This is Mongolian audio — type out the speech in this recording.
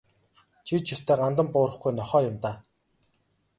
Чи ч ёстой гандан буурахгүй нохой юм даа.